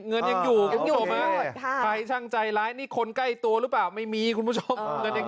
เงินยังอยู่ใครชั่งใจร้ายคนใกล้ตัวหรือเปล่าไม่มีคุณผู้ชม